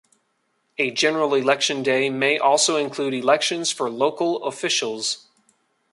A general election day may also include elections for local officials.